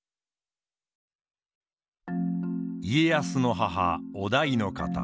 家康の母於大の方。